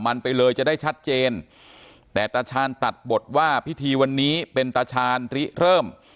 มันไปเลยจะได้ชัดเจนแต่ตาชาญตัดบทว่าพิธีวันนี้เป็นตาชาญริเริ่ม